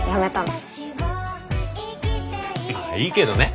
まあいいけどね。